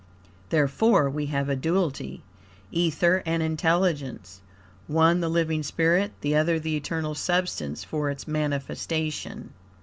Therefore, we have a duality Ether and Intelligence; one the living spirit, the other the eternal substance for its manifestation.